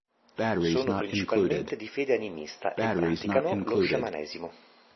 Sono principalmente di fede animista e praticano lo sciamanesimo.